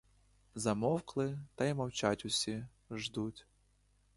Замовкли, та й мовчать усі, ждуть.